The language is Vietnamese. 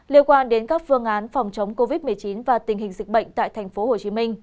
liên quan đến các phương án phòng chống covid một mươi chín và tình hình dịch bệnh tại tp hcm